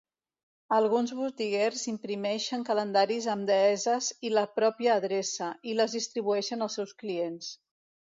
Alguns botiguers imprimeixen calendaris amb deesses i la pròpia adreça, i les distribueixen als seus clients.